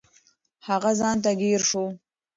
هغه ځان ته ځیر شو.